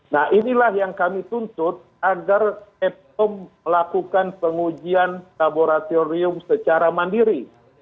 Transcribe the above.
nah inilah yang kami tuntut agar bepom melakukan pengujian laboratorium secara mandiri